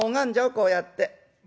こうやって。